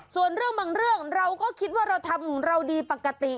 ส่วนเรื่องบางเรื่องเราก็คิดว่าเราทำของเราดีปกติ